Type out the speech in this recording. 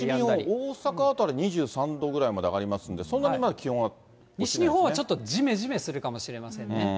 大阪辺り、２３度ぐらいまで上がりますんで、西日本はちょっとじめじめするかもしれませんね。